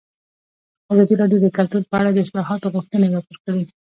ازادي راډیو د کلتور په اړه د اصلاحاتو غوښتنې راپور کړې.